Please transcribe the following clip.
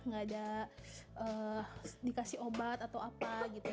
nggak ada dikasih obat atau apa gitu